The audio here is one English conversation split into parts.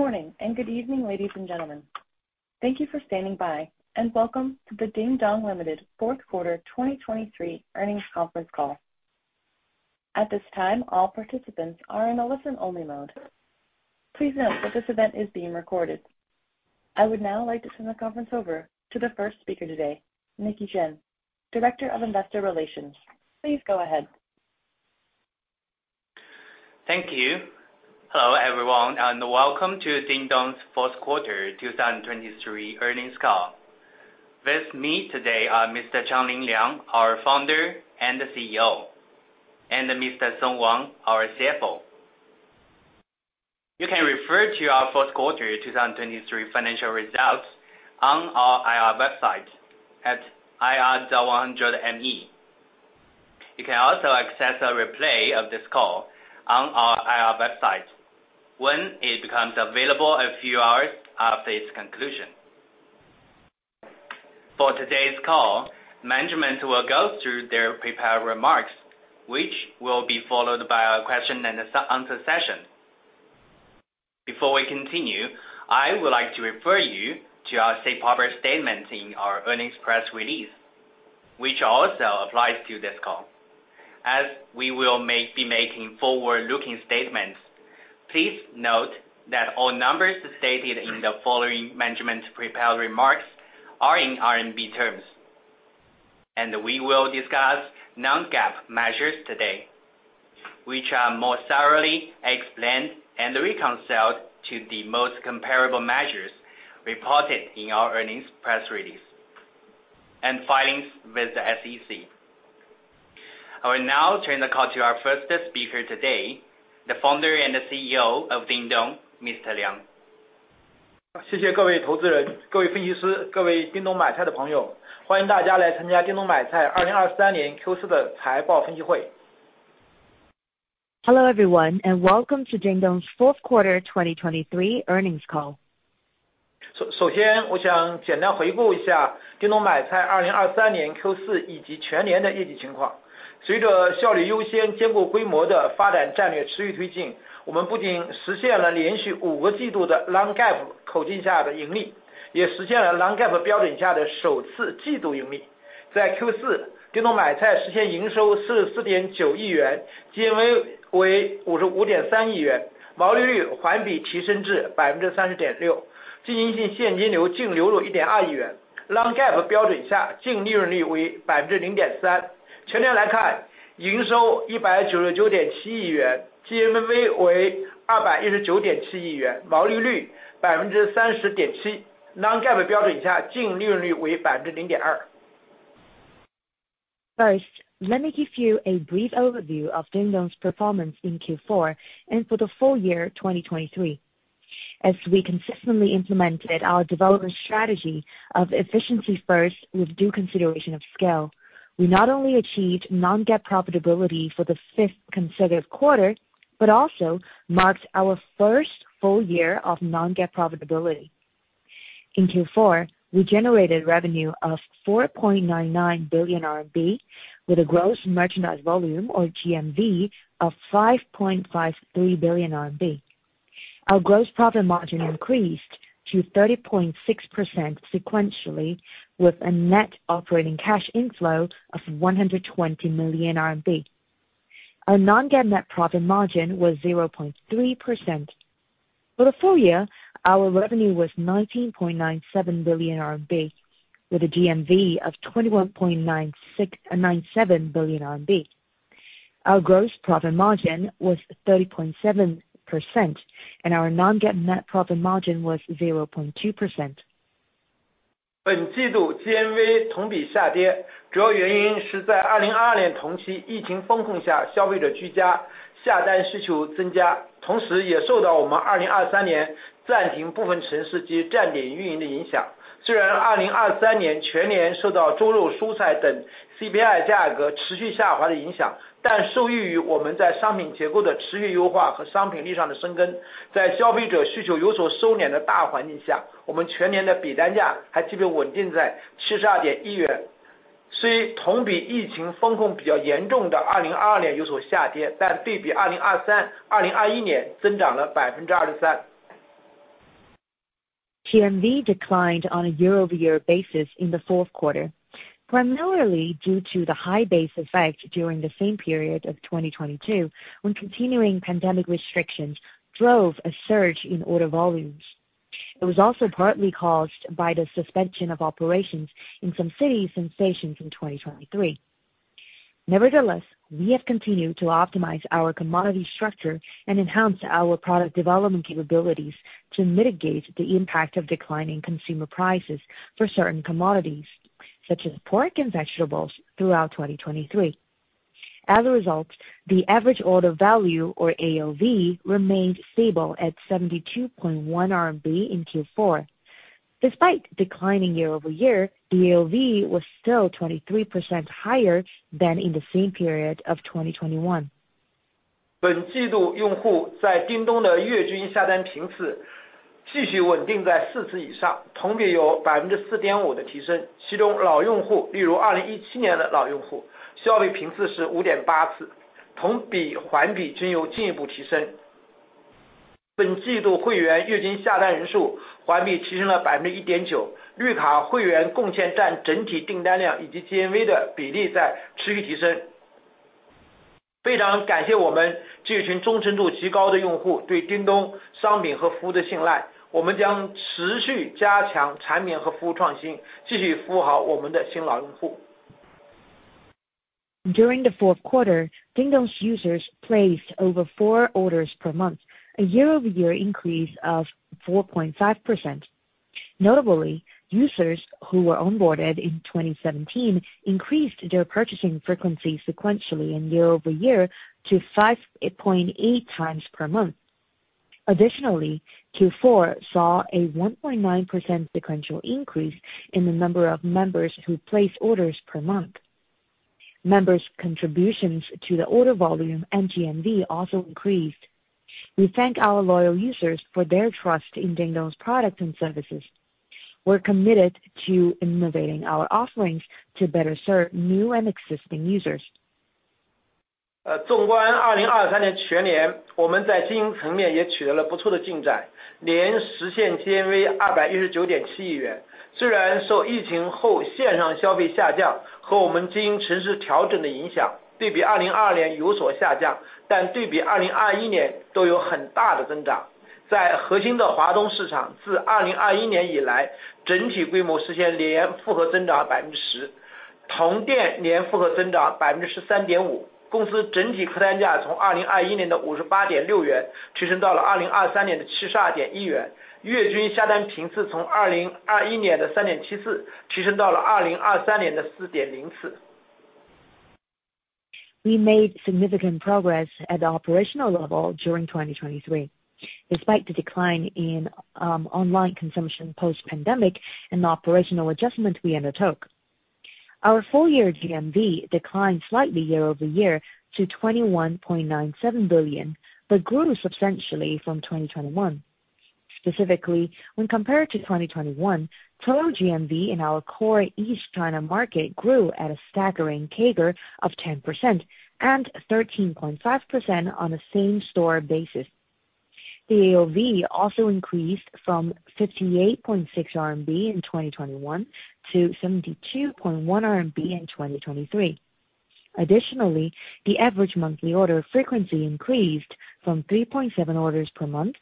Good morning and good evening, ladies and gentlemen. Thank you for standing by, and welcome to the Dingdong Limited Fourth Quarter 2023 Earnings Conference Call. At this time, all participants are in a listen-only mode. Please note that this event is being recorded. I would now like to turn the conference over to the first speaker today, Nicky Zheng, Director of Investor Relations. Please go ahead. Thank you. Hello, everyone, and welcome to Dingdong's Fourth Quarter 2023 Earnings Call. With me today are Mr. Changlin Liang, our founder and the CEO, and Mr. Song Wang, our CFO. You can refer to our Fourth Quarter 2023 financial results on our IR website at ir.dingdong. You can also access a replay of this call on our IR website when it becomes available a few hours after its conclusion. For today's call, management will go through their prepared remarks, which will be followed by a question-and-answer session. Before we continue, I would like to refer you to our safe harbor statements in our earnings press release, which also applies to this call. As we will be making forward-looking statements, please note that all numbers stated in the following management prepared remarks are in RMB terms, and we will discuss non-GAAP measures today, which are more thoroughly explained and reconciled to the most comparable measures reported in our earnings press release and filings with the SEC. I will now turn the call to our first speaker today, the founder and the CEO of Dingdong, Mr. Liang. 谢谢各位投资人、各位分析师、各位 Dingdong 买菜的朋友。欢迎大家来参加 Dingdong 买菜 2023年 Q4 的财报分析会。Hello, everyone, and welcome to Dingdong's Fourth Quarter 2023 Earnings Call. 首先我想简单回顾一下 Dingdong 买菜 2023年 Q4 以及全年的业绩情况。随着效率优先、兼顾规模的发展战略持续推进，我们不仅实现了连续 5 个季度的 non-GAAP 口径下的盈利，也实现了 non-GAAP 标准下的首次季度盈利。在 Q4，Dingdong 买菜实现营收 44.9 亿元，GMV 为 55.3 亿元，毛利率环比提升至 30.6%。经营性现金流净流入 1.2 亿元，non-GAAP 标准下净利润率为 0.3%。全年来看，营收 199.7 亿元，GMV 为 219.7 亿元，毛利率 30.7%，non-GAAP 标准下净利润率为 0.2%。First, let me give you a brief overview of Dingdong's performance in fourth quarter and for the full year 2023. As we consistently implemented our developer strategy of efficiency first with due consideration of scale, we not only achieved non-GAAP profitability for the fifth consecutive quarter but also marked our first full year of non-GAAP profitability. In fourth quarter, we generated revenue of 4.99 billion RMB with a gross merchandise volume or GMV of 5.53 billion RMB. Our gross profit margin increased to 30.6% sequentially, with a net operating cash inflow of 120 million RMB. Our non-GAAP net profit margin was 0.3%. For the full year, our revenue was 19.97 billion RMB with a GMV of 21.97 billion RMB. Our gross profit margin was 30.7%, and our non-GAAP net profit margin was 0.2%. 本季度 GMV 同比下跌，主要原因是在 2022 年同期疫情封控下消费者居家，下单需求增加。同时也受到我们 2023 年暂停部分城市及站点运营的影响。虽然 2023 年全年受到猪肉、蔬菜等 CPI 价格持续下滑的影响，但受益于我们在商品结构的持续优化和商品力上的深耕。在消费者需求有所收敛的大环境下，我们全年的笔单价还基本稳定在 72.1 CNY。虽同比疫情封控比较严重的 2022 年有所下跌，但对比 2023、2021 年增长了 23%。GMV declined on a year-over-year basis in the fourth quarter, primarily due to the high base effect during the same period of 2022 when continuing pandemic restrictions drove a surge in order volumes. It was also partly caused by the suspension of operations in some cities and stations in 2023. Nevertheless, we have continued to optimize our commodity structure and enhance our product development capabilities to mitigate the impact of declining consumer prices for certain commodities, such as pork and vegetables, throughout 2023. As a result, the average order value or AOV remained stable at 72.1 RMB in fourth quarter. Despite declining year-over-year, the AOV was still 23% higher than in the same period of 2021. 本季度用户在 Dingdong 的月均下单频次继续稳定在 4 次以上，同比有 4.5% 的提升。其中老用户，例如 2017 年的老用户，消费频次是 5.8 次，同比环比均有进一步提升。本季度会员月均下单人数环比提升了 1.9%，绿卡会员贡献占整体订单量以及 GMV 的比例在持续提升。非常感谢我们这群忠诚度极高的用户对 Dingdong 商品和服务的信赖。我们将持续加强产品和服务创新，继续服务好我们的新老用户。During the fourth quarter, Dingdong's users placed over 4 orders per month, a year-over-year increase of 4.5%. Notably, users who were onboarded in 2017 increased their purchasing frequency sequentially and year-over-year to 5.8 times per month. Additionally, fourth quarter saw a 1.9% sequential increase in the number of members who placed orders per month. Members' contributions to the order volume and GMV also increased. We thank our loyal users for their trust in Dingdong's products and services. We're committed to innovating our offerings to better serve new and existing users. annual growth of 13.5%. The company's overall average order value increased from RMB 58.6 in 2021 to RMB 72.1 in 2023, and the monthly average order frequency increased from 3.74 in 2021 to 4.0 in 2023. We made significant progress at the operational level during 2023, despite the decline in online consumption post-pandemic and the operational adjustments we undertook. Our full-year GMV declined slightly year-over-year to 21.97 billion but grew substantially from 2021. Specifically, when compared to 2021, total GMV in our core East China market grew at a staggering CAGR of 10% and 13.5% on a same-store basis. The AOV also increased from 58.6 RMB in 2021 to 72.1 RMB in 2023. Additionally, the average monthly order frequency increased from 3.7 orders per month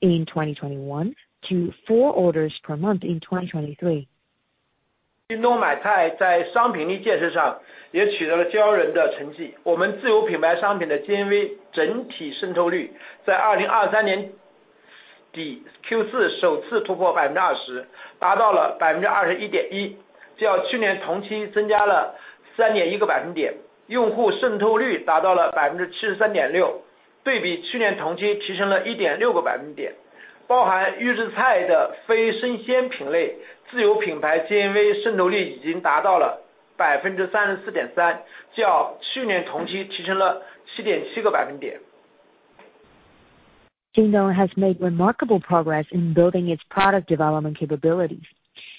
in 2021 to four orders per month in 2023. Dingdong 买菜在商品力建设上也取得了骄人的成绩。我们自有品牌商品的 GMV 整体渗透率在 2023 年底 Q4 首次突破 20%，达到了 21.1%，较去年同期增加了 3.1 个百分点。用户渗透率达到了 73.6%，对比去年同期提升了 1.6 个百分点。包含预制菜的非生鲜品类，自有品牌 GMV 渗透率已经达到了 34.3%，较去年同期提升了 7.7 个百分点。Dingdong has made remarkable progress in building its product development capabilities.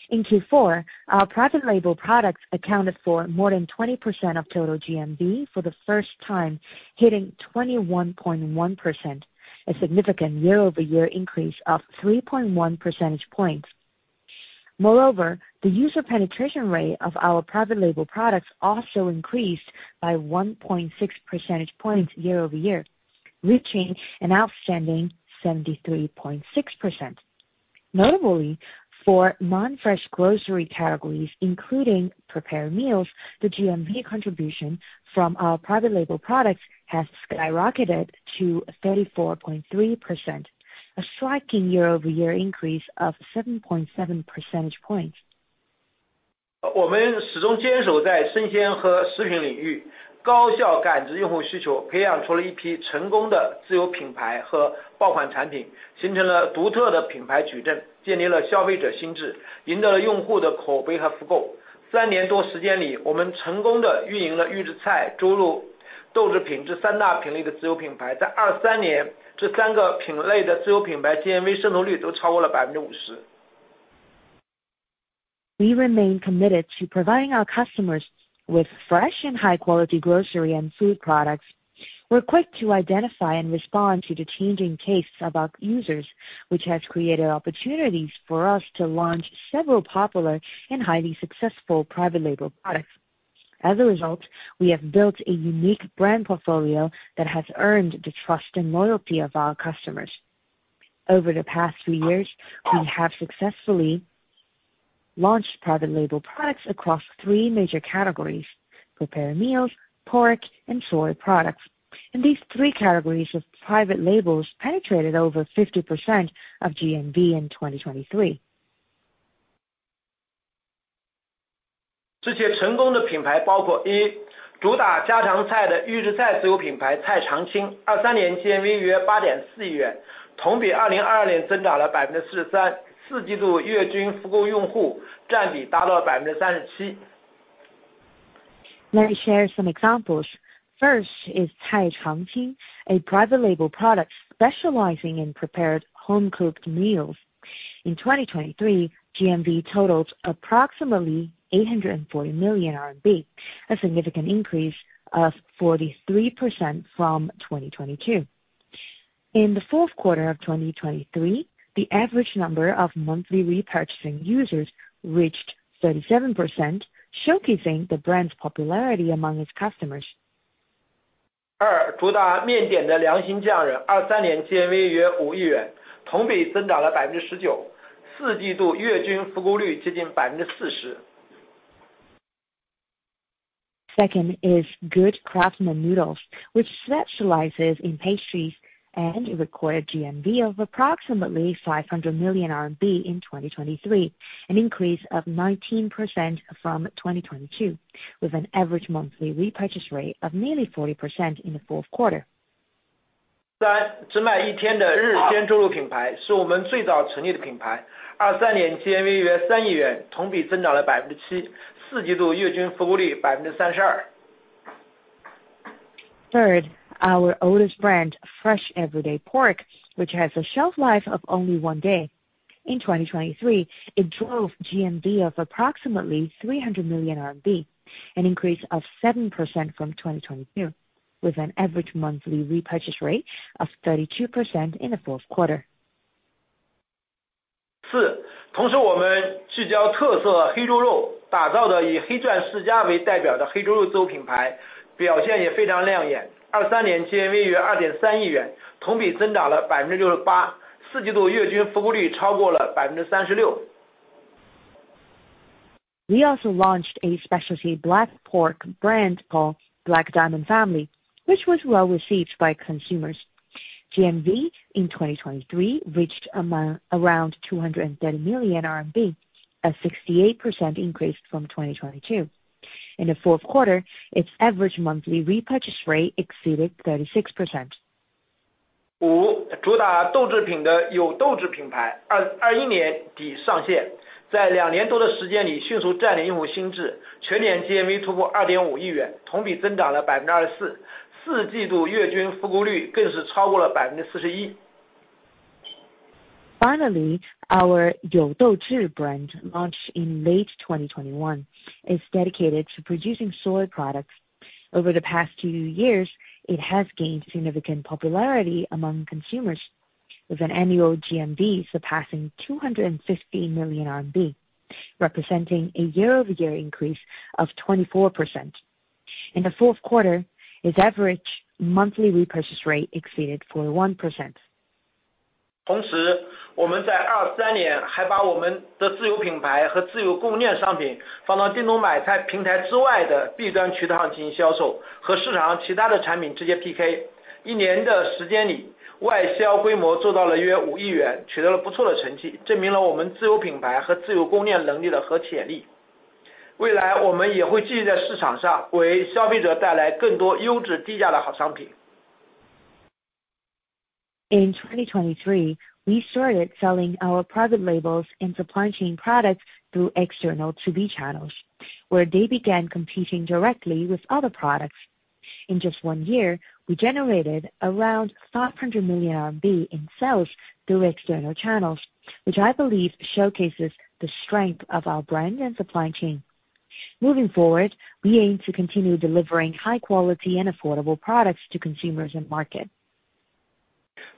In fourth quarter, our private label products accounted for more than 20% of total GMV for the first time, hitting 21.1%, a significant year-over-year increase of 3.1 percentage points. Moreover, the user penetration rate of our private label products also increased by 1.6 percentage points year-over-year, reaching an outstanding 73.6%. Notably, for non-fresh grocery categories, including prepared meals, the GMV contribution from our private label products has skyrocketed to 34.3%, a striking year-over-year increase of 7.7 percentage points. 我们始终坚守在生鲜和食品领域，高效感知用户需求，培养出了一批成功的自有品牌和爆款产品，形成了独特的品牌矩阵，建立了消费者心智，赢得了用户的口碑和复购。三年多时间里，我们成功地运营了预制菜、猪肉、豆制品这三大品类的自有品牌。在 2023 年，这三个品类的自有品牌 GMV 渗透率都超过了 50%。We remain committed to providing our customers with fresh and high-quality grocery and food products. We're quick to identify and respond to the changing tastes of our users, which has created opportunities for us to launch several popular and highly successful private label products. As a result, we have built a unique brand portfolio that has earned the trust and loyalty of our customers. Over the past three years, we have successfully launched private label products across three major categories: prepared meals, pork, and soy products. In these three categories of private labels, penetrated over 50% of GMV in 2023. 这些成功的品牌包括：1. 主打家常菜的预制菜自有品牌菜常青，2023 年 GMV 约 RMB 840 million，同比 2022 年增长了 43%。四季度月均复购用户占比达到了 37%。Let me share some examples. First is Cai Chang Qing, a private label product specializing in prepared home-cooked meals. In 2023, GMV totaled approximately 840 million RMB, a significant increase of 43% from 2022. In the fourth quarter of 2023, the average number of monthly repurchasing users reached 37%, showcasing the brand's popularity among its customers. 2. 主打面点的良心匠人，2023 年 GMV 约 CNY 500 million，同比增长了 19%。四季度月均复购率接近 40%。Second is Good Craftsman Noodles, which specializes in pastries and recorded GMV of approximately 500 million RMB in 2023, an increase of 19% from 2022, with an average monthly repurchase rate of nearly 40% in the fourth quarter. 3. 只卖一天的日鲜猪肉品牌，是我们最早成立的品牌，2023 年 GMV 约 RMB 300 million，同比增长了 7%。四季度月均服务率 32%。Third, our oldest brand, Fresh Everyday Pork, which has a shelf life of only one day. In 2023, it drove GMV of approximately 300 million RMB, an increase of 7% from 2022, with an average monthly repurchase rate of 32% in the fourth quarter. 4. 同时我们聚焦特色黑猪肉，打造的以黑钻世家为代表的黑猪肉自有品牌，表现也非常亮眼。2023 年 GMV 约 2.3 亿元，同比增长了 68%。四季度月均服务率超过了 36%。We also launched a specialty black pork brand called Black Diamond Family, which was well received by consumers. GMV in 2023 reached around 230 million RMB, a 68% increase from 2022. In the fourth quarter, its average monthly repurchase rate exceeded 36%. 5. 主打豆制品的有豆制品牌，2021 年底上线。在两年多的时间里迅速占领用户心智，全年 GMV 突破 CNY 250 million，同比增长了 24%。四季度月均服务率更是超过了 41%。You Dou Zhi brand, launched in late 2021, is dedicated to producing soy products. Over the past two years, it has gained significant popularity among consumers, with an annual GMV surpassing 250 million RMB, representing a year-over-year increase of 24%. In the fourth quarter, its average monthly repurchase rate exceeded 41%. 同时我们在2023年还把我们的自有品牌和自有供应链商品放到Dingdong买菜平台之外的外部渠道上进行销售，和市场其他的产品直接PK。一年的时间里，外销规模做到了约CNY 500 million，取得了不错的成绩，证明了我们自有品牌和自有供应链能力的核核心潜力。未来我们也会继续在市场上为消费者带来更多优质低价的好商品。In 2023, we started selling our private labels and supply chain products through external 2B channels, where they began competing directly with other products. In just one year, we generated around 500 million RMB in sales through external channels, which I believe showcases the strength of our brand and supply chain. Moving forward, we aim to continue delivering high-quality and affordable products to consumers and market.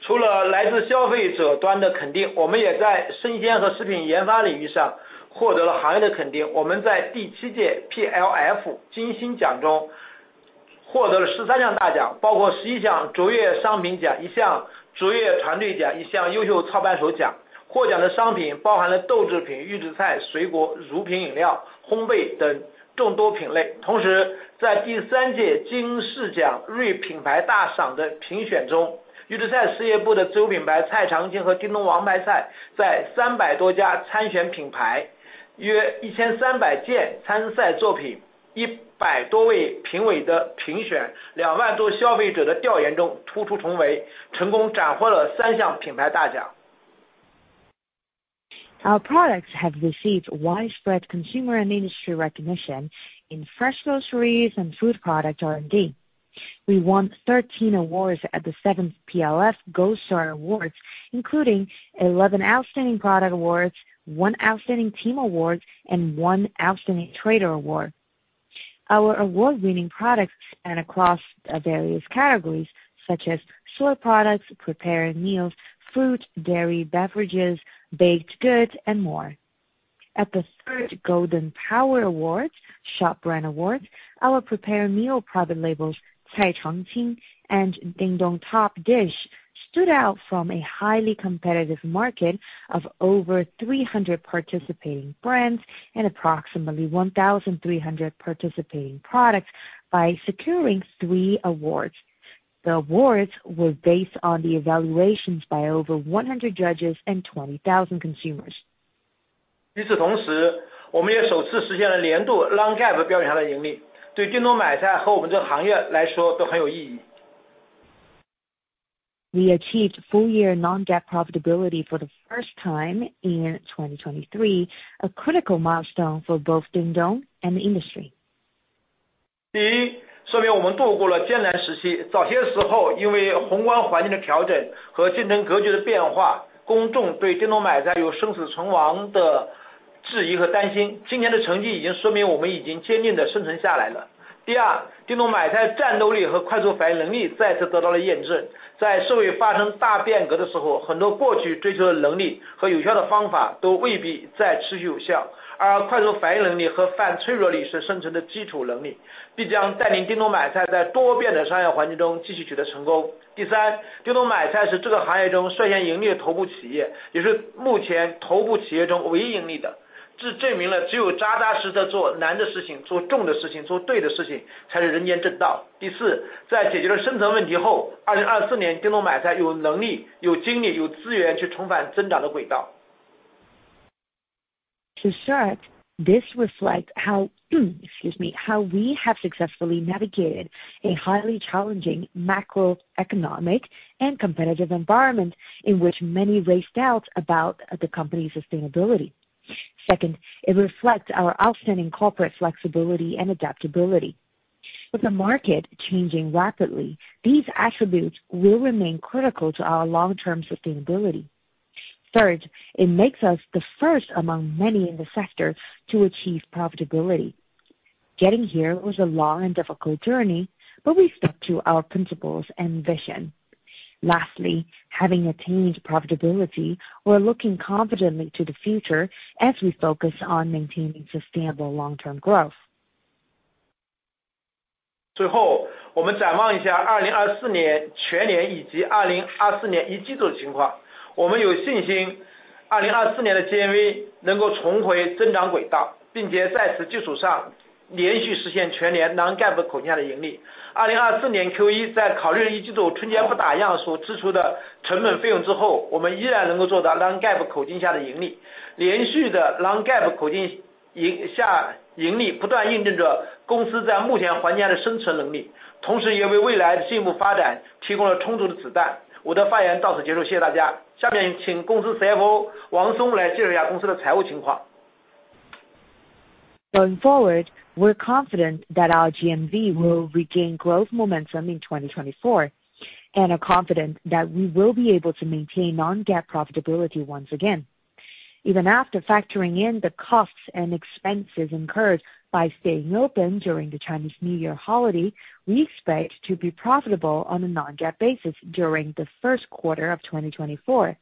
除了来自消费者端的肯定，我们也在生鲜和食品研发领域上获得了行业的肯定。我们在第七届 PLF 金星奖中获得了 13 项大奖，包括 11 项卓越商品奖、1 项卓越团队奖、1 项优秀操办手奖。获奖的商品包含了豆制品、预制菜、水果、乳品饮料、烘焙等众多品类。同时，在第三届金视奖瑞品牌大赏的评选中，预制菜事业部的自有品牌菜常青和 Dingdong 王牌菜在 300 多家参选品牌、约 1,300 件参赛作品、100 多位评委的评选、20,000 多消费者的调研中突出重围，成功斩获了 3 项品牌大奖。Our products have received widespread consumer and industry recognition in fresh groceries and food product R&D. We won 13 awards at the seventh PLF Gold Star Awards, including 11 outstanding product awards, one outstanding team award, and one outstanding trader award. Our award-winning products span across various categories, such as soy products, prepared meals, fruit, dairy, beverages, baked goods, and more. At the third Golden Power Awards, Shop Brand Awards, our prepared meal private labels Cai Chang Qing and Dingdong Top Dish stood out from a highly competitive market of over 300 participating brands and approximately 1,300 participating products by securing three awards. The awards were based on the evaluations by over 100 judges and 20,000 consumers. 与此同时，我们也首次实现了年度 non-GAAP 标准下的盈利，对 Dingdong 买菜和我们这个行业来说都很有意义。We achieved full-year non-GAAP profitability for the first time in 2023, a critical milestone for both Dingdong and the industry. 第一，说明我们度过了艰难时期。早些时候因为宏观环境的调整和竞争格局的变化，公众对 Dingdong 买菜有生死存亡的质疑和担心。今年的成绩已经说明我们已经坚定地生存下来了。第二，Dingdong 买菜的战斗力和快速反应能力再次得到了验证。在社会发生大变革的时候，很多过去追求的能力和有效的方法都未必再持续有效，而快速反应能力和反脆弱力是生存的基础能力，必将带领 Dingdong 买菜在多变的商业环境中继续取得成功。第三，Dingdong 买菜是这个行业中率先盈利的头部企业，也是目前头部企业中唯一盈利的。这证明了只有扎扎实实地做难的事情、做重的事情、做对的事情，才是人间正道。第四，在解决了生存问题后，2024 年 Dingdong 买菜有能力、有精力、有资源去重返增长的轨道。To start, this reflects how we have successfully navigated a highly challenging macroeconomic and competitive environment in which many raised doubts about the company's sustainability. Second, it reflects our outstanding corporate flexibility and adaptability. With the market changing rapidly, these attributes will remain critical to our long-term sustainability. Third, it makes us the first among many in the sector to achieve profitability. Getting here was a long and difficult journey, but we stuck to our principles and vision. Lastly, having attained profitability, we're looking confidently to the future as we focus on maintaining sustainable long-term growth. Going forward, we're confident that our GMV will regain growth momentum in 2024, and are confident that we will be able to maintain non-GAAP profitability once again. Even after factoring in the costs and expenses incurred by staying open during the Chinese New Year holiday, we expect to be profitable on a non-GAAP basis during the first quarter of 2024.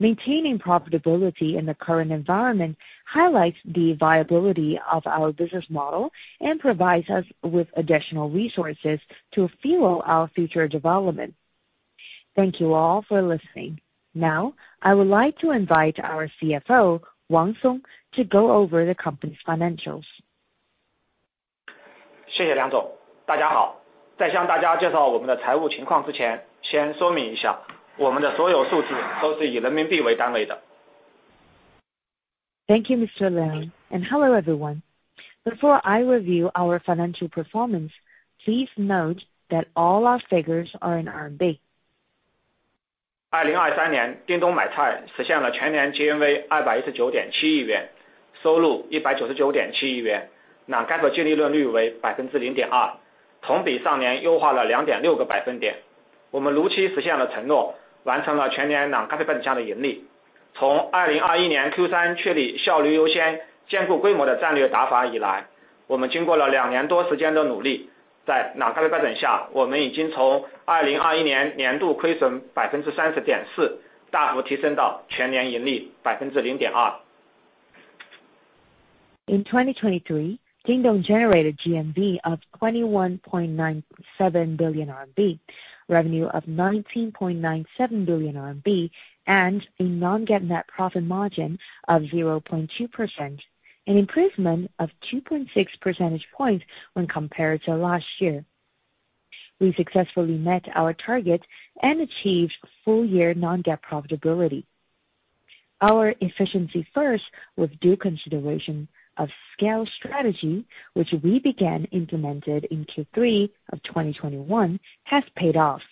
Maintaining profitability in the current environment highlights the viability of our business model and provides us with additional resources to fuel our future development. Thank you all for listening. Now, I would like to invite our CFO Song Wang to go over the company's financials. 谢谢梁总。大家好，在向大家介绍我们的财务情况之前，先说明一下，我们的所有数字都是以人民币为单位的。Thank you, Mr. Liang, and hello everyone. Before I review our financial performance, please note that all our figures are in RMB. 2023年Dingdong买菜实现了全年GMV 219.7亿元，收入199.7亿元，non-GAAP净利润率为0.2%，同比上年优化了2.6个百分点。我们如期实现了承诺，完成了全年non-GAAP本质下的盈利。从2021年Q3确立效率优先、兼顾规模的战略打法以来，我们经过了两年多时间的努力。在non-GAAP本质下，我们已经从2021年年度亏损30.4%大幅提升到全年盈利0.2%。In 2023, Dingdong generated GMV of 21.97 billion RMB, revenue of 19.97 billion RMB, and a non-GAAP net profit margin of 0.2%, an improvement of 2.6 percentage points when compared to last year. We successfully met our targets and achieved full-year non-GAAP profitability. Our efficiency first, with due consideration of scale strategy, which we began implemented in third quarter of 2021, has paid off.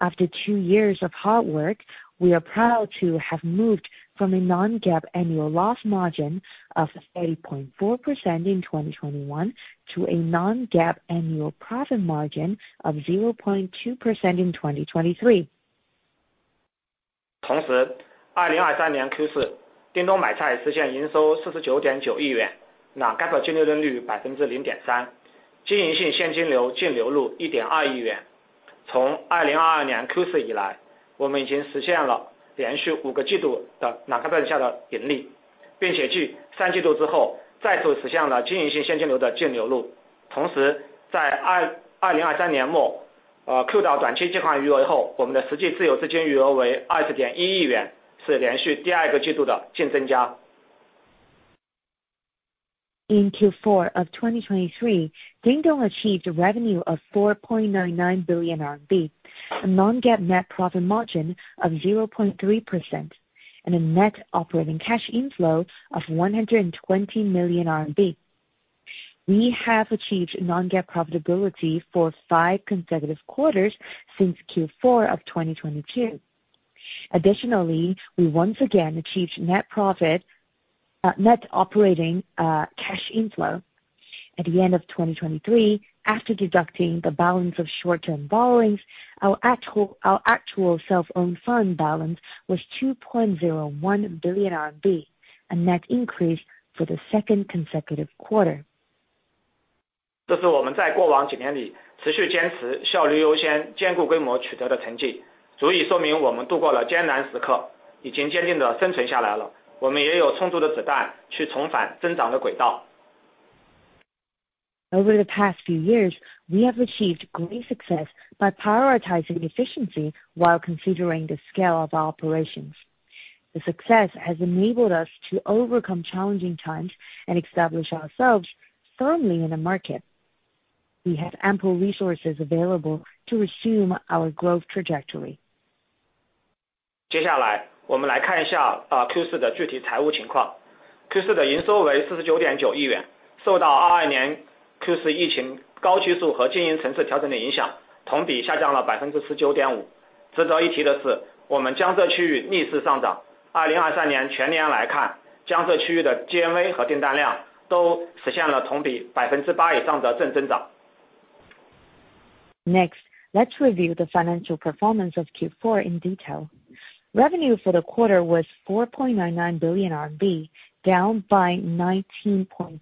After two years of hard work, we are proud to have moved from a non-GAAP annual loss margin of 30.4% in 2021 to a non-GAAP annual profit margin of 0.2% in 2023. 同时，2023年Q4，Dingdong买菜实现营收49.9亿元，non-GAAP净利润率0.3%，经营性现金流净流入1.2亿元。从2022年Q4以来，我们已经实现了连续五个季度的non-GAAP本质下的盈利，并且继三季度之后再次实现了经营性现金流的净流入。同时，在2023年末Q2短期借款余额后，我们的实际自由资金余额为20.1亿元，是连续第二个季度的净增加。In fourth quarter of 2023, Dingdong achieved a revenue of 4.99 billion RMB, a non-GAAP net profit margin of 0.3%, and a net operating cash inflow of 120 million RMB. We have achieved non-GAAP profitability for five consecutive quarters since fourth quarter of 2022. Additionally, we once again achieved net operating cash inflow. At the end of 2023, after deducting the balance of short-term borrowings, our actual self-owned fund balance was 2.01 billion RMB, a net increase for the second consecutive quarter. 这是我们在过往几年里持续坚持效率优先、兼顾规模取得的成绩，足以说明我们度过了艰难时刻，已经坚定地生存下来了。我们也有充足的子弹去重返增长的轨道。Over the past few years, we have achieved great success by prioritizing efficiency while considering the scale of our operations. The success has enabled us to overcome challenging times and establish ourselves firmly in the market. We have ample resources available to resume our growth trajectory. 接下来我们来看一下Q4的具体财务情况。Q4的营收为49.9亿元，受到22年Q4疫情高基数和经营层次调整的影响，同比下降了19.5%。值得一提的是，我们江浙区域逆势上涨，2023年全年来看，江浙区域的GMV和订单量都实现了同比8%以上的正增长。Next, let's review the financial performance of fourth quarter in detail. Revenue for the quarter was 4.99 billion RMB, down by 19.5%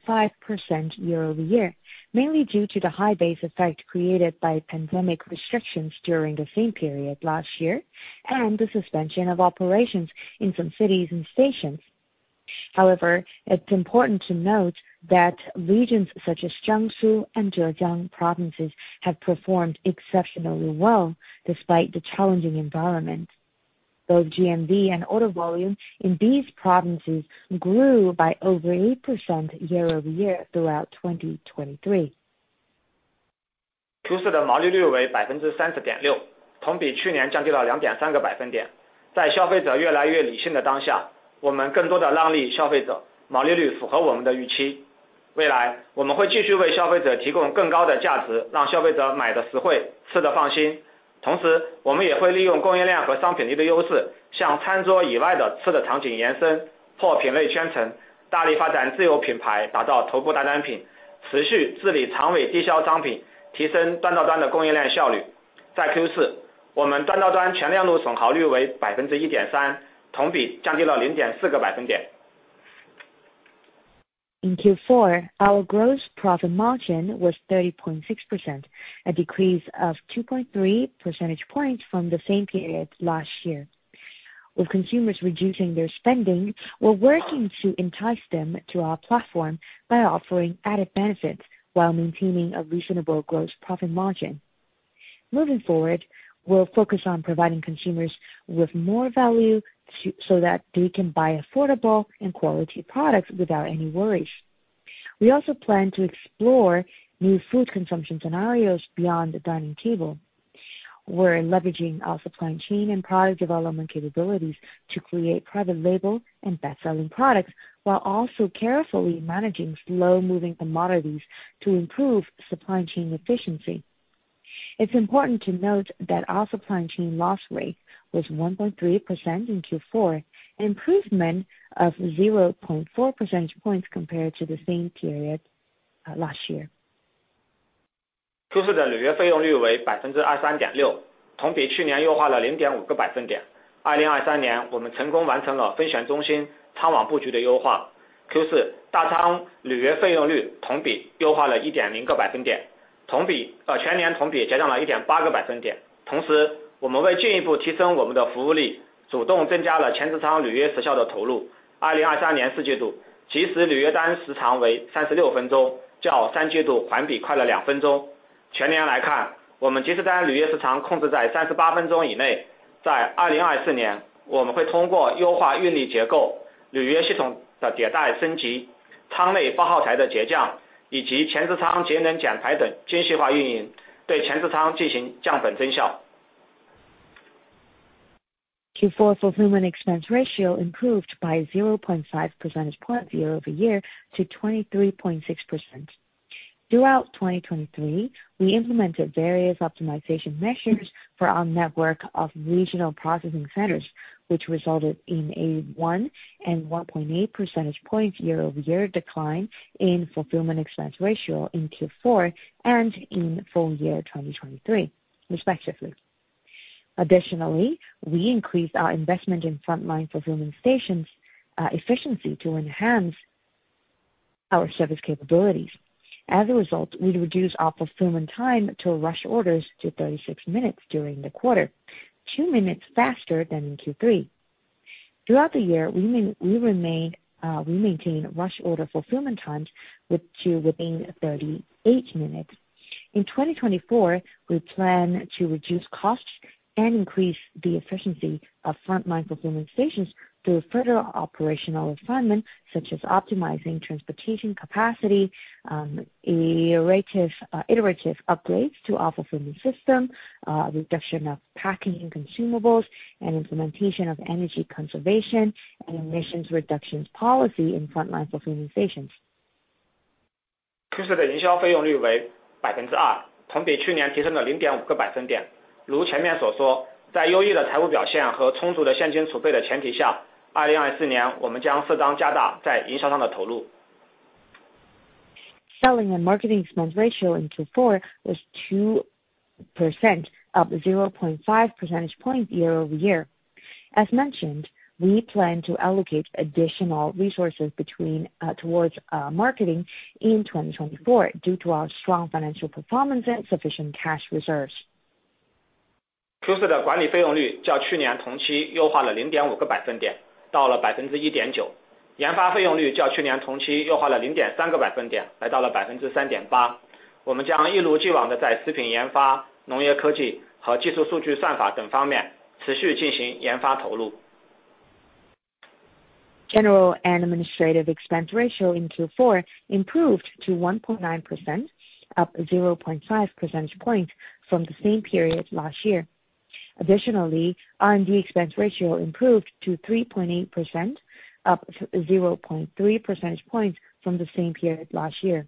year-over-year, mainly due to the high base effect created by pandemic restrictions during the same period last year and the suspension of operations in some cities and stations. However, it's important to note that regions such as Jiangsu and Zhejiang provinces have performed exceptionally well despite the challenging environment. Both GMV and order volume in these provinces grew by over 8% year-over-year throughout 2023. In fourth quarter, our gross profit margin was 30.6%, a decrease of 2.3 percentage points from the same period last year. With consumers reducing their spending, we're working to entice them to our platform by offering added benefits while maintaining a reasonable gross profit margin. Moving forward, we'll focus on providing consumers with more value so that they can buy affordable and quality products without any worries. We also plan to explore new food consumption scenarios beyond the dining table. We're leveraging our supply chain and product development capabilities to create private label and best-selling products while also carefully managing slow-moving commodities to improve supply chain efficiency. It's important to note that our supply chain loss rate was 1.3% in fourth quarter, an improvement of 0.4 percentage points compared to the same period last year. Fourth quarter fulfillment expense ratio improved by 0.5 percentage points year-over-year to 23.6%. Throughout 2023, we implemented various optimization measures for our network of regional processing centers, which resulted in a 1.0% and 1.8 percentage points year-over-year decline in fulfillment expense ratio in fourth quarter and in full year 2023, respectively. Additionally, we increased our investment in frontline fulfillment stations efficiency to enhance our service capabilities. As a result, we reduced our fulfillment time to rush orders to 36 minutes during the quarter, two minutes faster than in third quarter. Throughout the year, we maintained rush order fulfillment times to within 38 minutes. In 2024, we plan to reduce costs and increase the efficiency of Frontline Fulfillment Stations through further operational refinement, such as optimizing transportation capacity, iterative upgrades to our fulfillment system, reduction of packing and consumables, and implementation of energy conservation and emissions reduction policy in Frontline Fulfillment Stations. Q4的营销费用率为2%，同比去年提升了0.5个百分点。如前面所说，在优异的财务表现和充足的现金储备的前提下，2024年我们将适当加大在营销上的投入。Selling and marketing expense ratio in fourth quarter was 2%, up 0.5 percentage points year-over-year. As mentioned, we plan to allocate additional resources towards marketing in 2024 due to our strong financial performance and sufficient cash reserves. Q4的管理费用率较去年同期优化了0.5个百分点，到了1.9%。研发费用率较去年同期优化了0.3个百分点，来到了3.8%。我们将一如既往地在食品研发、农业科技和技术数据算法等方面持续进行研发投入。General and administrative expense ratio in fourth quarter improved to 1.9%, up 0.5 percentage points from the same period last year. Additionally, R&D expense ratio improved to 3.8%, up 0.3 percentage points from the same period last year.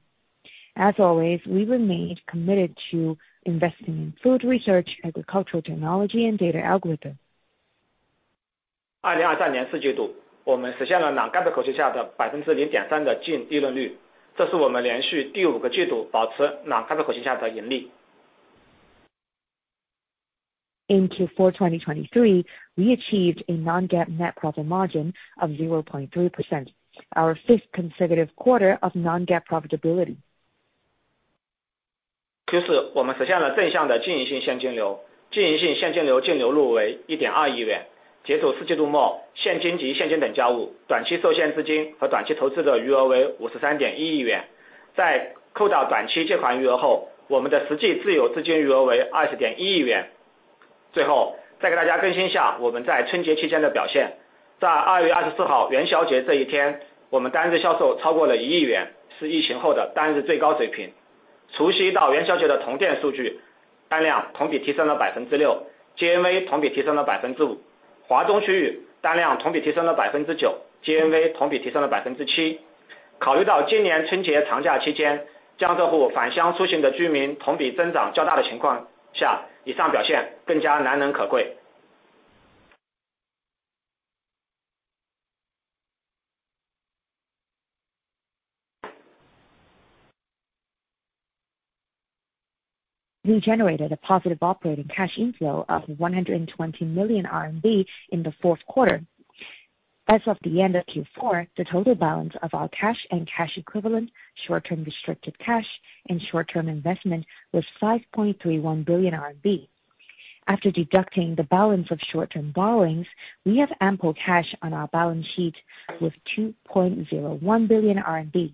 As always, we remain committed to investing in food research, agricultural technology, and data algorithms. 2023年四季度，我们实现了non-GAAP口径下的0.3%的净利润率。这是我们连续第五个季度保持non-GAAP口径下的盈利。In fourth quarter 2023, we achieved a non-GAAP net profit margin of 0.3%, our fifth consecutive quarter of non-GAAP profitability. We generated a positive operating cash inflow of 120 million RMB in the fourth quarter. As of the end of fourth quarter, the total balance of our cash and cash equivalent, short-term restricted cash, and short-term investment was 5.31 billion RMB. After deducting the balance of short-term borrowings, we have ample cash on our balance sheet with 2.01 billion RMB.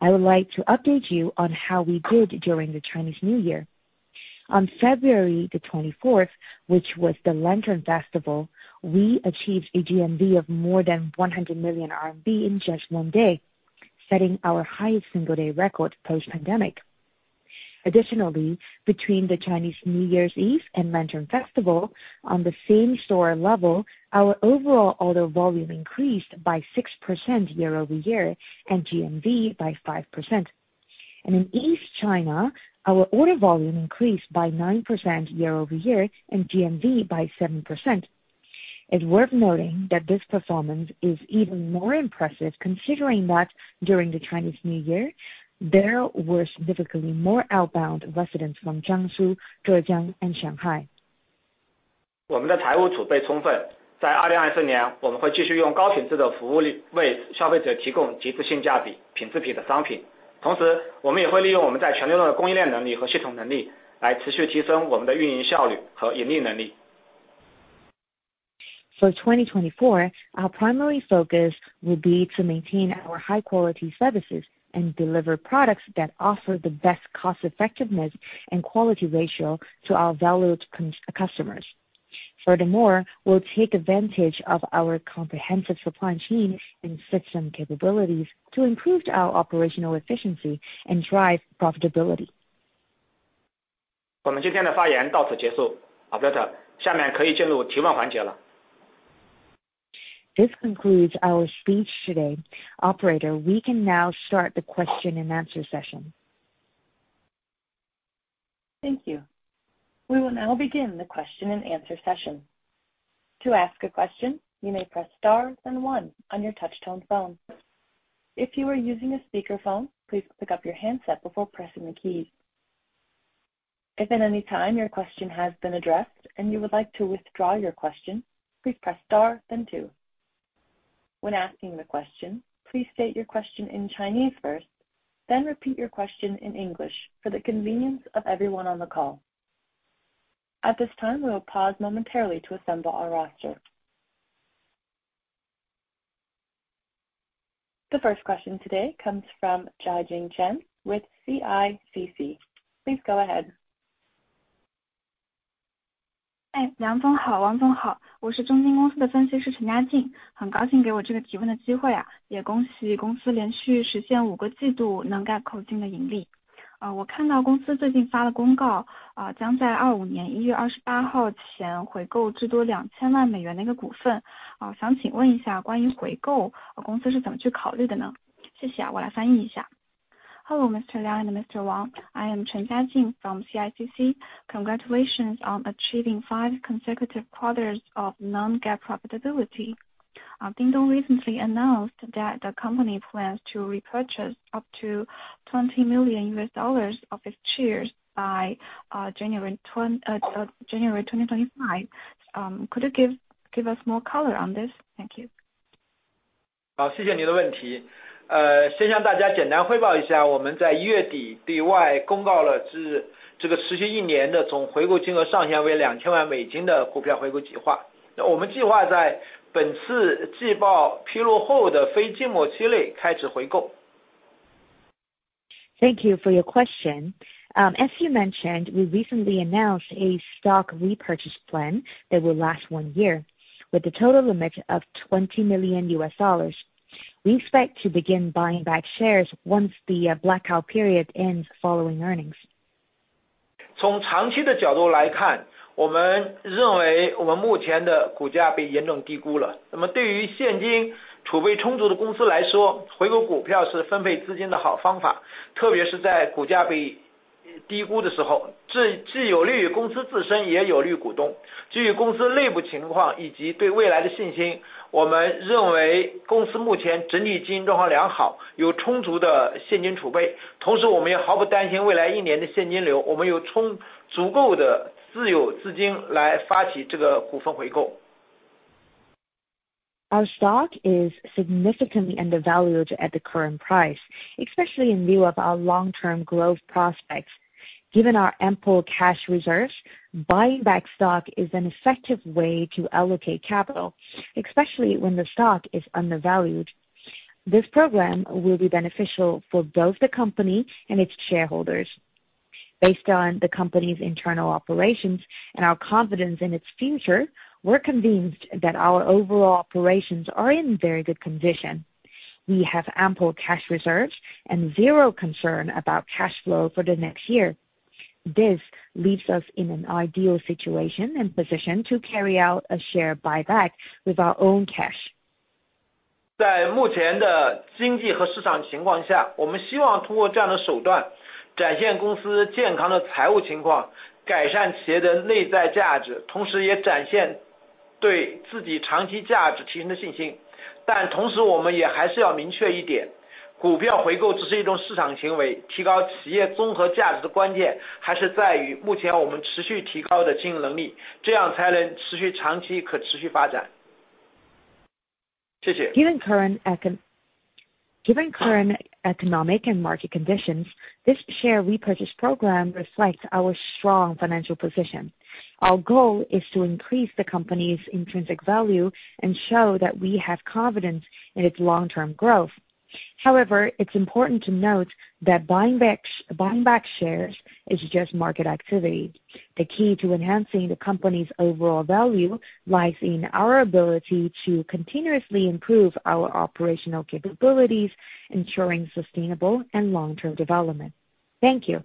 I would like to update you on how we did during the Chinese New Year. On 24 February 2024, which was the Lantern Festival, we achieved a GMV of more than 100 million RMB in just one day, setting our highest single day record post-pandemic. Additionally, between the Chinese New Year's Eve and Lantern Festival, on the same store level, our overall order volume increased by 6% year-over-year and GMV by 5%. In East China, our order volume increased by 9% year-over-year and GMV by 7%. It's worth noting that this performance is even more impressive considering that during the Chinese New Year, there were significantly more outbound residents from Jiangsu, Zhejiang, and Shanghai. 我们的财务储备充分。在2024年，我们会继续用高品质的服务为消费者提供极致性价比、品质品的商品。同时，我们也会利用我们在全流动的供应链能力和系统能力来持续提升我们的运营效率和盈利能力。For 2024, our primary focus will be to maintain our high-quality services and deliver products that offer the best cost-effectiveness and quality ratio to our valued customers. Furthermore, we'll take advantage of our comprehensive supply chain and system capabilities to improve our operational efficiency and drive profitability. 我们今天的发言到此结束。Operator，下面可以进入提问环节了。This concludes our speech today. Operator, we can now start the question-and-answer session. Thank you. We will now begin the question-and-answer session. To ask a question, you may press star then one on your touch-tone phone. If you are using a speakerphone, please pick up your handset before pressing the keys. If at any time your question has been addressed and you would like to withdraw your question, please press star then two. When asking the question, please state your question in Chinese first, then repeat your question in English for the convenience of everyone on the call. At this time, we will pause momentarily to assemble our roster. The first question today comes from Jiajing Chen with CICC. Please go ahead. 嗨，梁总好，王总好。我是中金公司的分析师陈嘉静，很高兴给我这个提问的机会。也恭喜公司连续实现5个季度 non-GAAP 口径的盈利。我看到公司最近发了公告，将在2025年1月28号前回购至多2000万美元的一个股份。想请问一下关于回购，公司是怎么去考虑的呢？谢谢。我来翻译一下。Hello Mr. Liang and Mr. Wang, I am Chen Jiajing from CICC. Congratulations on achieving five consecutive quarters of non-GAAP profitability. Dingdong recently announced that the company plans to repurchase up to $20 million of its shares by 28 January 2025. Could you give us more color on this? Thank you. 谢谢您的问题。先向大家简单汇报一下，我们在1月底对外公告了持续一年的总回购金额上限为$20 million的股票回购计划。那我们计划在本次季报披露后的非季末期内开始回购。Thank you for your question. As you mentioned, we recently announced a stock repurchase plan that will last one year, with a total limit of $20 million. We expect to begin buying back shares once the blackout period ends following earnings. Our stock is significantly undervalued at the current price, especially in view of our long-term growth prospects. Given our ample cash reserves, buying back stock is an effective way to allocate capital, especially when the stock is undervalued. This program will be beneficial for both the company and its shareholders. Based on the company's internal operations and our confidence in its future, we're convinced that our overall operations are in very good condition. We have ample cash reserves and zero concern about cash flow for the next year. This leaves us in an ideal situation and position to carry out a share buyback with our own cash. 在目前的经济和市场情况下，我们希望通过这样的手段展现公司健康的财务情况，改善企业的内在价值，同时也展现对自己长期价值提升的信心。但同时我们也还是要明确一点，股票回购只是一种市场行为，提高企业综合价值的关键还是在于目前我们持续提高的经营能力，这样才能持续长期可持续发展。谢谢。Given current economic and market conditions, this share repurchase program reflects our strong financial position. Our goal is to increase the company's intrinsic value and show that we have confidence in its long-term growth. However, it's important to note that buying back shares is just market activity. The key to enhancing the company's overall value lies in our ability to continuously improve our operational capabilities, ensuring sustainable and long-term development. Thank you.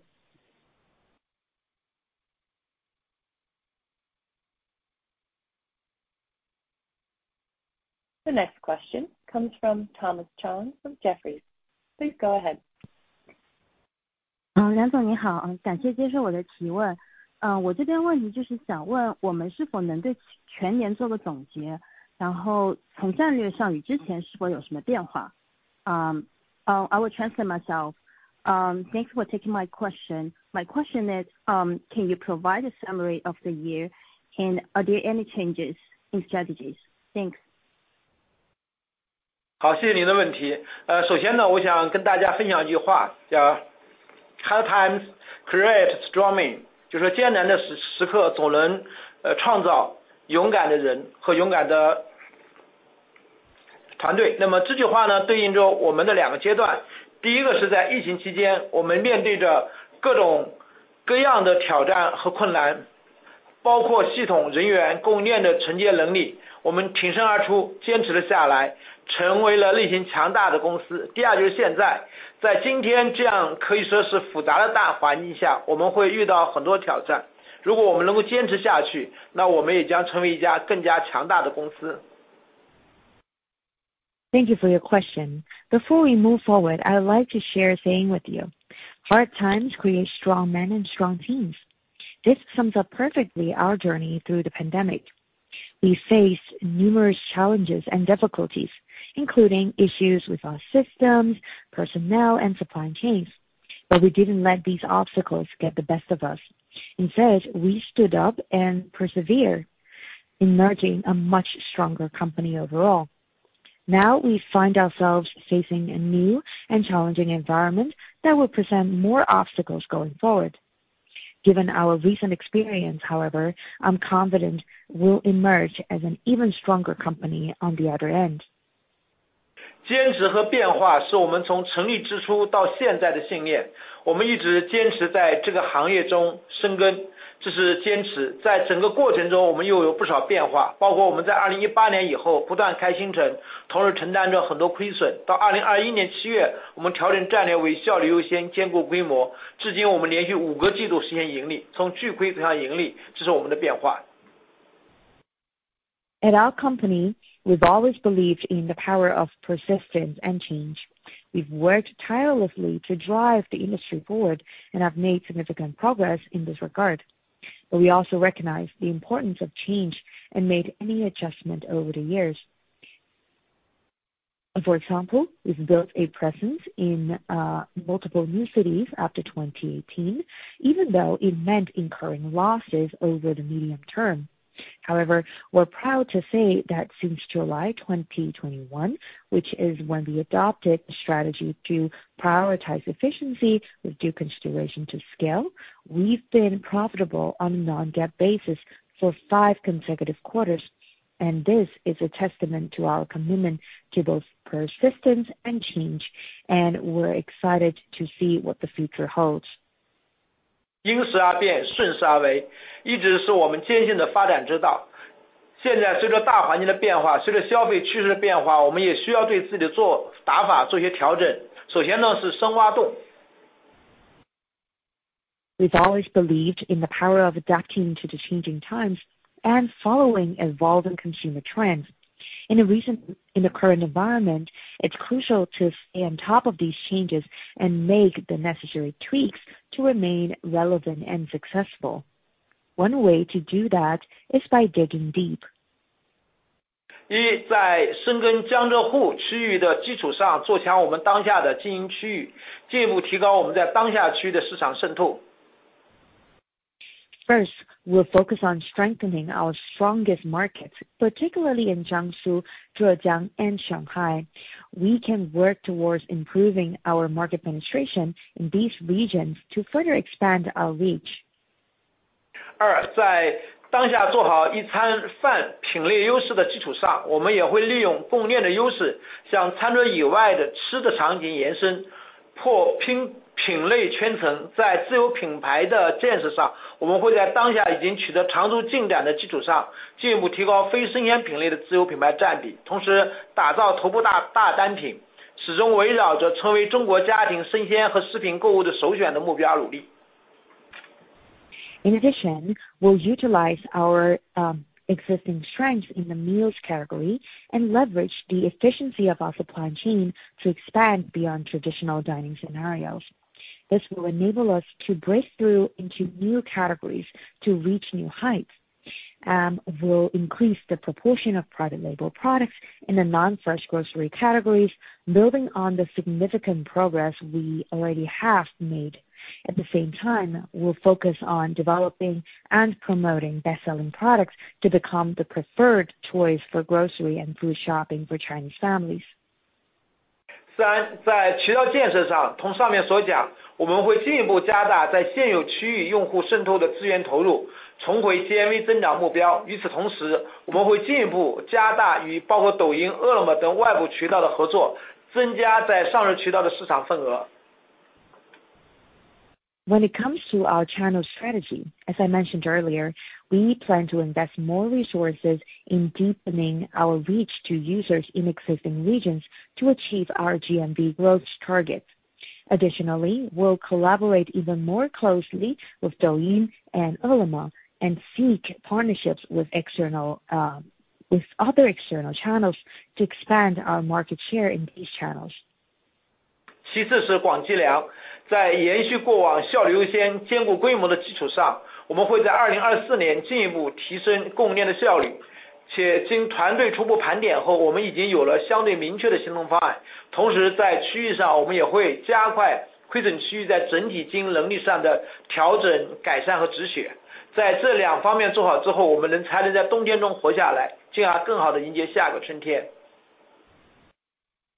The next question comes from Thomas Chong from Jefferies. Please go ahead. 梁总你好，感谢接受我的提问。我这边问题就是想问我们是否能对全年做个总结，然后从战略上与之前是否有什么变化。I will translate myself. Thanks for taking my question. My question is, can you provide a summary of the year, and are there any changes in strategies? Thanks. 好，谢谢您的问题。首先我想跟大家分享一句话，叫 "Hard times create strong men." 就是说艰难的时刻总能创造勇敢的人和勇敢的团队。那么这句话对应着我们的两个阶段。第一个是在疫情期间，我们面对着各种各样的挑战和困难，包括系统人员供应链的承接能力。我们挺身而出，坚持了下来，成为了内心强大的公司。第二就是现在，在今天这样可以说是复杂的大环境下，我们会遇到很多挑战。如果我们能够坚持下去，那我们也将成为一家更加强大的公司。Thank you for your question. Before we move forward, I would like to share a saying with you: "Hard times create strong men and strong teams." This sums up perfectly our journey through the pandemic. We faced numerous challenges and difficulties, including issues with our systems, personnel, and supply chains. But we didn't let these obstacles get the best of us. Instead, we stood up and persevered, emerging a much stronger company overall. Now we find ourselves facing a new and challenging environment that will present more obstacles going forward. Given our recent experience, however, I'm confident we'll emerge as an even stronger company on the other end. 坚持和变化是我们从成立之初到现在的信念。我们一直坚持在这个行业中深耕。这是坚持。在整个过程中我们又有不少变化，包括我们在2018年以后不断开新城，同时承担着很多亏损。到2021年7月，我们调整战略为效率优先，兼顾规模。至今我们连续五个季度实现盈利，从巨亏走向盈利。这是我们的变化。At our company, we've always believed in the power of persistence and change. We've worked tirelessly to drive the industry forward and have made significant progress in this regard. But we also recognize the importance of change and made any adjustment over the years. For example, we've built a presence in multiple new cities after 2018, even though it meant incurring losses over the medium term. However, we're proud to say that since July 2021, which is when we adopted the strategy to prioritize efficiency with due consideration to scale, we've been profitable on a non-GAAP basis for five consecutive quarters. This is a testament to our commitment to both persistence and change, and we're excited to see what the future holds. 应时而变，顺时而为，一直是我们坚信的发展之道。现在随着大环境的变化，随着消费趋势的变化，我们也需要对自己的做法做些调整。首先是深挖洞。We've always believed in the power of adapting to the changing times and following evolving consumer trends. In the current environment, it's crucial to stay on top of these changes and make the necessary tweaks to remain relevant and successful. One way to do that is by digging deep. 一、在深耕江浙沪区域的基础上，做强我们当下的经营区域，进一步提高我们在当下区域的市场渗透。First, we'll focus on strengthening our strongest markets, particularly in Jiangsu, Zhejiang, and Shanghai. We can work towards improving our market penetration in these regions to further expand our reach. 在当下做好一餐饭品类优势的基础上，我们也会利用供应链的优势，向餐桌以外的吃的场景延伸，破品类圈层。在自由品牌的建设上，我们会在当下已经取得长足进展的基础上，进一步提高非生鲜品类的自由品牌占比。同时打造头部大单品，始终围绕着成为中国家庭生鲜和食品购物的首选的目标努力。In addition, we'll utilize our existing strengths in the meals category and leverage the efficiency of our supply chain to expand beyond traditional dining scenarios. This will enable us to break through into new categories to reach new heights. We'll increase the proportion of private label products in the non-fresh grocery categories, building on the significant progress we already have made. At the same time, we'll focus on developing and promoting best-selling products to become the preferred choice for grocery and food shopping for Chinese families. 在渠道建设上，从上面所讲，我们会进一步加大在现有区域用户渗透的资源投入，重回GMV增长目标。与此同时，我们会进一步加大与包括抖音、饿了么等外部渠道的合作，增加在上市渠道的市场份额。When it comes to our channel strategy, as I mentioned earlier, we plan to invest more resources in deepening our reach to users in existing regions to achieve our GMV growth targets. Additionally, we'll collaborate even more closely with Douyin and Ele.me and seek partnerships with other external channels to expand our market share in these channels. 其次是广济粮。在延续过往效率优先、兼顾规模的基础上，我们会在2024年进一步提升供应链的效率。且经团队初步盘点后，我们已经有了相对明确的行动方案。同时在区域上，我们也会加快亏损区域在整体经营能力上的调整、改善和止血。在这两方面做好之后，我们能才能在冬天中活下来，进而更好地迎接下个春天。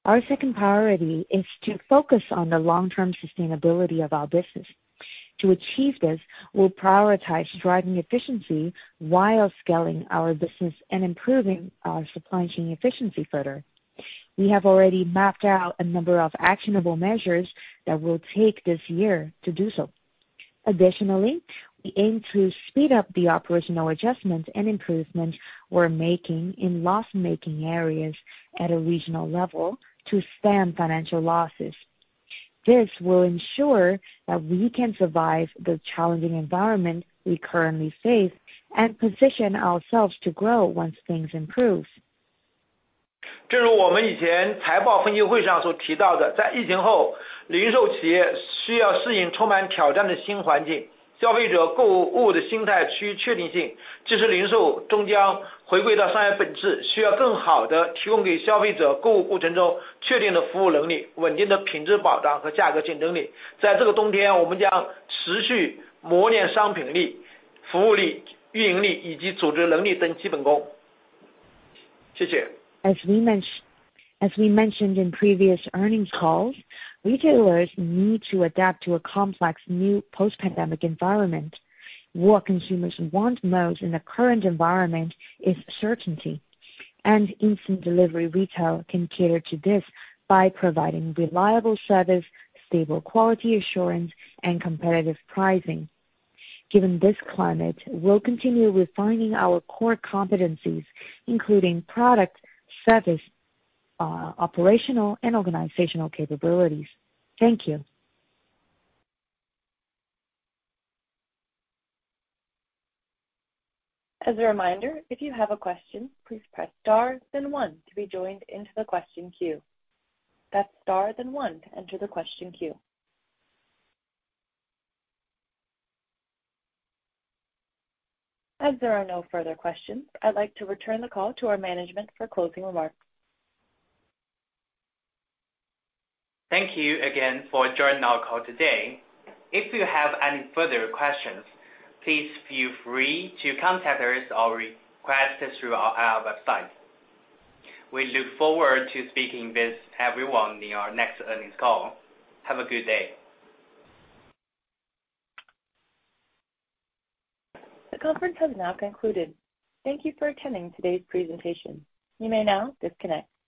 Our second priority is to focus on the long-term sustainability of our business. To achieve this, we'll prioritize driving efficiency while scaling our business and improving our supply chain efficiency further. We have already mapped out a number of actionable measures that we'll take this year to do so. Additionally, we aim to speed up the operational adjustments and improvements we're making in loss-making areas at a regional level to stem financial losses. This will ensure that we can survive the challenging environment we currently face and position ourselves to grow once things improve. 正如我们以前财报分析会上所提到的，在疫情后，零售企业需要适应充满挑战的新环境、消费者购物的心态趋于确定性。这时零售终将回归到商业本质，需要更好地提供给消费者购物过程中确定的服务能力、稳定的品质保障和价格竞争力。在这个冬天，我们将持续磨练商品力、服务力、运营力以及组织能力等基本功。谢谢。As we mentioned in previous earnings calls, retailers need to adapt to a complex new post-pandemic environment. What consumers want most in the current environment is certainty, and instant delivery retail can cater to this by providing reliable service, stable quality assurance, and competitive pricing. Given this climate, we'll continue refining our core competencies, including product, service, operational, and organizational capabilities. Thank you. As a reminder, if you have a question, please press star then one to be joined into the question queue. That's star then one to enter the question queue. As there are no further questions, I'd like to return the call to our management for closing remarks. Thank you again for joining our call today. If you have any further questions, please feel free to contact us or request through our website. We look forward to speaking with everyone in our next earnings call. Have a good day. The conference has now concluded. Thank you for attending today's presentation. You may now disconnect.